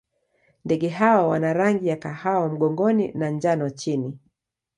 Ndege hawa wana rangi ya kahawa mgongoni na njano chini.